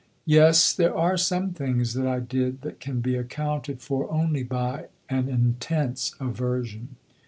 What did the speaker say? "Yes, there are some things that I did that can be accounted for only by an intense aversion."